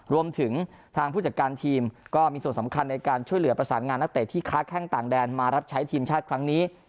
รวมถึงทางผู้จัดการทีมก็มีส่วนสำคัญในการช่วยเหลือประสานงานนักเตะที่ค้าแข้งต่างแดนมารับใช้ทีมชาติครั้งนี้